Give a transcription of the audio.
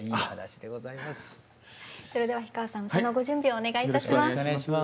それでは氷川さん歌のご準備お願いいたします。